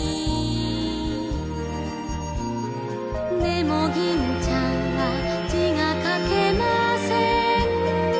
「でも銀ちゃんは字が書けません」